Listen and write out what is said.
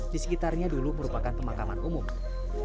di sekitarnya dulu merupakan pemakaman umum